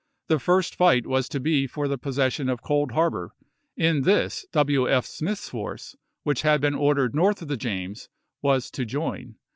The first fight was to be for the possession of Cold Harbor ; in this W. F. Smith's force, which had been ordered north of the James, was to join.